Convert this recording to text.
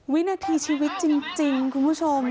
วินาทีชีวิตจริงคุณผู้ชม